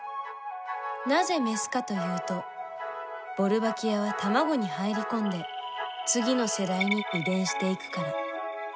なぜメスかというとボルバキアは卵に入り込んで次の世代に遺伝していくから。